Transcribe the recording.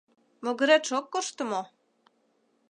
Могыретше ок коршто мо?